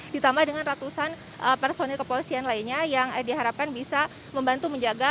ditambah dengan ratusan personil kepolisian lainnya yang diharapkan bisa membantu menjaga